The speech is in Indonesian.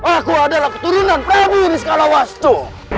aku adalah keturunan prabu niskalawastu